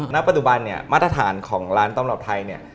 ณปัจจุบันมาตรฐานของร้านต้อมรับไทย